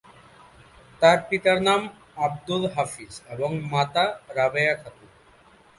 তার পিতার নাম আব্দুল হাফিজ এবং মাতা রাবেয়া খাতুন।